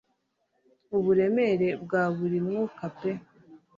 uburemere bwa buri mwuka pe